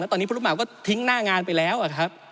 แล้วตอนนี้ผู้หมาก็ทิ้งหน้างานไปแล้วอะครับ